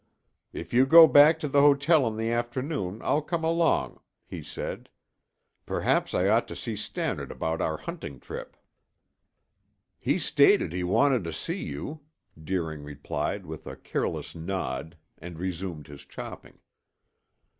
"If you go back to the hotel in the afternoon, I'll come along," he said. "Perhaps I ought to see Stannard about our hunting trip." "He stated he wanted to see you," Deering replied with a careless nod and resumed his chopping.